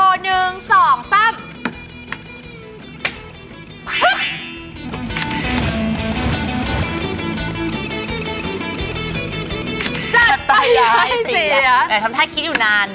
จัดไปเลยทำท่าคิดอยู่นาน